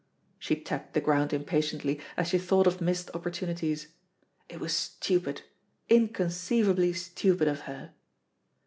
She tapped the ground impatiently as she thought of missed opportunities. It was stupid, inconceivably stupid of her.